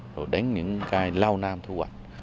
rồi đến những cây lao nam thu hoạch